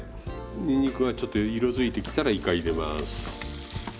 にんにくがちょっと色づいてきたらいか入れます。